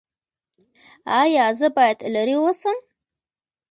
ایا زه باید لرې اوسم؟